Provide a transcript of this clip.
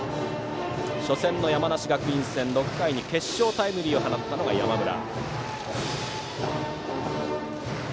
初戦の山梨学院戦、６回に決勝タイムリーを放ったのが山村。